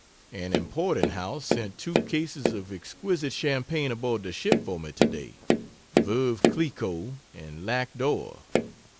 An importing house sent two cases of exquisite champagne aboard the ship for me today Veuve Clicquot and Lac d'Or.